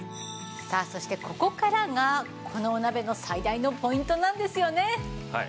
さあそしてここからがこのお鍋の最大のポイントなんですよね。